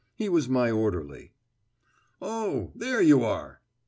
He was my orderly. "Oh! there you are."